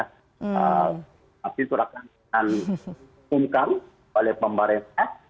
tapi itu akan diumumkan oleh pembara